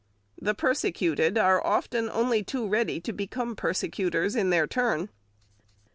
The persecuted are often only too ready to become persecutors in their turn.